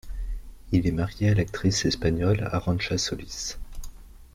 Il est marié à l'actrice espagnole Arancha Solis.